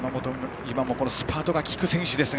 今もスパートがきく選手ですが。